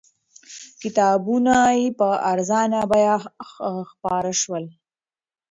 کتابونه یې په ارزانه بیه خپاره شول.